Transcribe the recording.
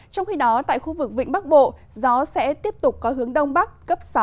trong khi đó tại khu vực vịnh bắc bộ gió sẽ tiếp tục có hướng đông bắc cấp sáu